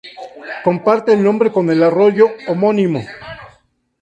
Comparte el nombre con el Arroyo homónimo.